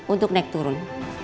untuk naik turun